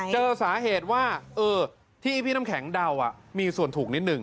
เจอสาเหตุว่าที่พี่น้ำแข็งเดามีส่วนถูกนิดหนึ่ง